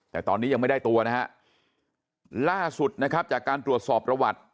แต่ตอนนี้ยังไม่ได้ตัวนะฮะล่าสุดนะครับจากการตรวจสอบประวัติ